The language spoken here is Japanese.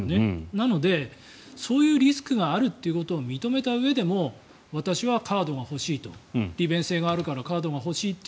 なのでそういうリスクがあるということを認めたうえでも私はカードが欲しいと利便性があるからカードが欲しいと。